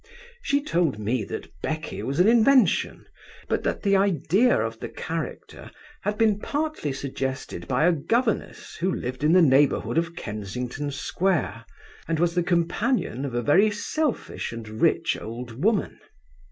She told me that Becky was an invention, but that the idea of the character had been partly suggested by a governess who lived in the neighbourhood of Kensington Square, and was the companion of a very selfish and rich old woman.